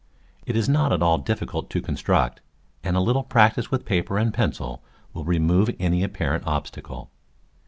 It is not at all difficult to construct, and a little practice with paper and pencil will remove any apparent obstacle.